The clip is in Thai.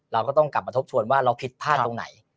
เราก็ต้องกลับมาทบทวนว่าเราผิดพลาดตรงไหน